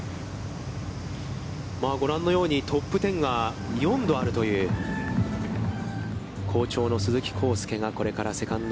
ご覧のように、トップ１０が４度あるという好調の鈴木晃祐がこれからセカンド。